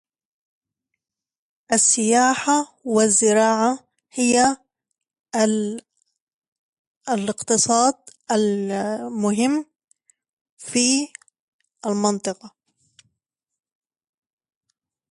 Tourism and farming are the predominant economic activities in the area.